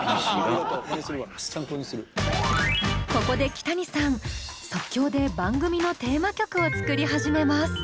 ここでキタニさん即興で番組のテーマ曲を作り始めます。